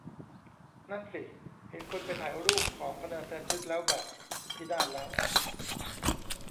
นั่นสิ เห็นคนไปถ่ายรูปของพะเนินเทินทึกแล้วแบบ พินาศแล้ว